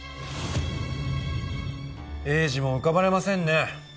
栄治も浮かばれませんね。